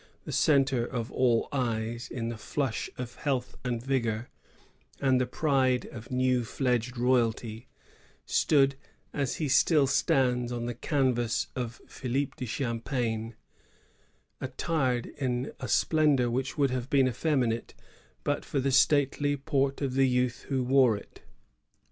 the centre of all eyes, in the flush of health and vigor, and the pride of new fledged royalty, stood, as he still stands on the canvas of Philippe de Champagne, attired in a splendor which would have been effeminate but for the stately port of the youth who wore it.